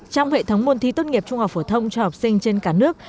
trong hệ thống môn thi tốt nghiệp trung học phổ thông cho học sinh trên cả nước